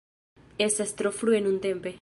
Estas tro frue nuntempe.